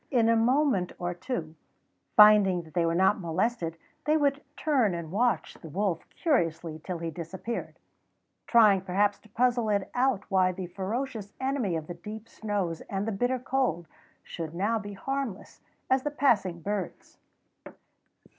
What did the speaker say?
In a moment or two, finding that they were not molested, they would turn and watch the wolf curiously till he disappeared, trying perhaps to puzzle it out why the ferocious enemy of the deep snows and the bitter cold should now be harmless as the passing birds.